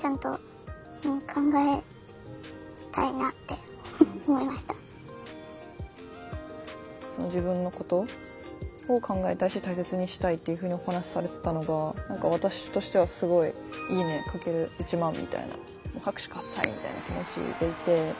話を聞いて自分のことを考えたいし大切にしたいというふうにお話しされてたのが私としてはすごい「いいね×１万」みたいなもう拍手喝采みたいな気持ちでいて。